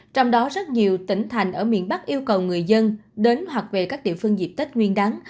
trong đó rất nhiều tỉnh thành ở miền bắc yêu cầu người dân đến hoặc về các địa phương dịp tết nguyên đáng